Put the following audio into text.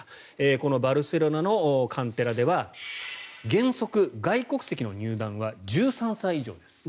このバルセロナのカンテラでは原則、外国籍の入団は１３歳以上です。